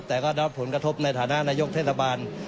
แต่ก็รับผลกระทบในฐานะนายกเทศบาล